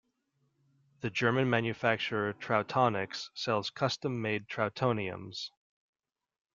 The German manufacturer trautoniks sells custom made Trautoniums.